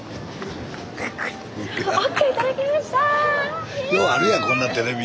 スタジオようあるやんこんなテレビ。